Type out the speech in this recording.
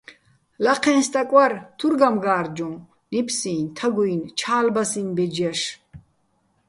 ლაჴეჼ სტაკ ვარ, თურ გამგა́რჯუჼ, ნიფსიჼ, თაგუჲნი̆, ჩა́ლბასიჼ ბეჯ ჲაშ.